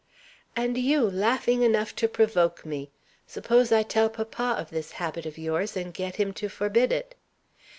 "And you, laughing enough to provoke me. Suppose I tell papa of this habit of yours, and get him to forbid it?"